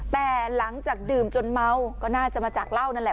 แต่หลังจากดื่มจนเมาก็น่าจะมาจากเหล้านั่นแหละ